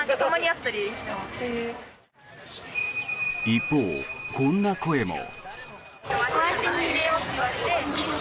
一方、こんな声も。